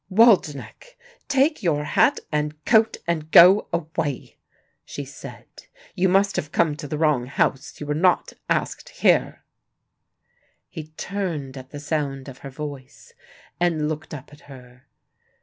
"Waldenech, take your hat and coat, and go away," she said. "You must have come to the wrong house, you were not asked here." He turned at the sound of her voice, and looked up at her.